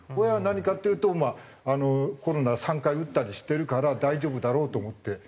親は何かっていうとコロナ３回打ったりしてるから大丈夫だろうと思って。